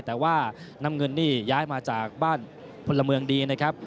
แต่ว่าน้ำเงินนี่ย้ายมาจากบ้านพลเมืองดีนะครับ